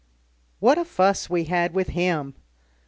What a fuss we had with him!